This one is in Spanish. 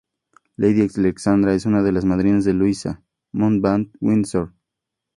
Lady Alexandra es una de las madrinas de Luisa Mountbatten-Windsor.